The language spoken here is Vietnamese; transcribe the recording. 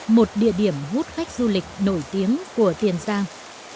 một địa điểm hút khách du lịch nổi tiếng của tiền giang